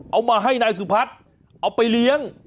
เอามาให้นายสุพัฒน์เอาไปเลี้ยง